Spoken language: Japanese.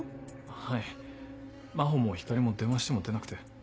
はい真帆も光莉も電話しても出なくて。